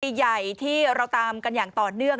คดีใหญ่ที่เราตามกันอย่างต่อเนื่อง